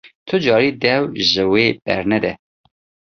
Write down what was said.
Ti carî dev ji wê bernede!